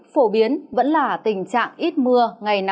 phổ biến vẫn là tình trạng ít mưa